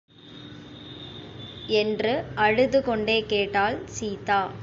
என்று அழுதுகொண்டே கேட்டாள் சீதா.